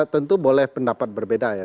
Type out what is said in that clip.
tentu boleh pendapat berbeda ya